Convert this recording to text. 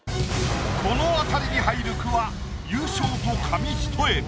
この辺りに入る句は優勝と紙一重。